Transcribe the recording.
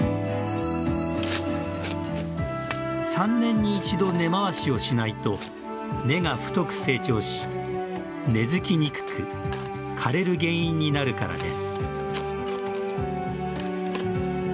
３年に一度根まわしをしないと根が太く成長し、根づきにくく枯れる原因になるからです。